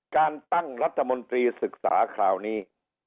การตั้งรัฐมนตรีศึกษาคราวนี้